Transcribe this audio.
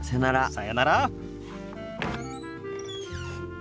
さよなら。